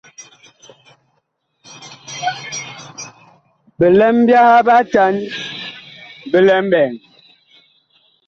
Bilɛm byaha bi atan bi lɛ mɓɛɛŋ.